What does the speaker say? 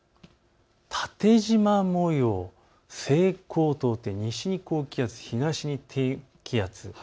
縦じま模様、西高東低西に高気圧、東に低気圧。